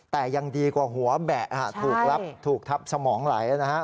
แต่ยังดีกว่าหัวแบะถูกรับถูกทับสมองไหลนะฮะ